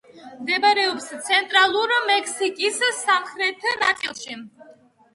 მდებარეობს ცენტრალური მექსიკის სამხრეთ ნაწილში.